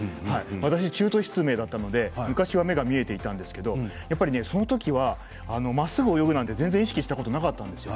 私、中途失明だったので昔は目が見えていたんですけどそのときは、まっすぐ泳ぐなんて全然意識したことなかったんですよ。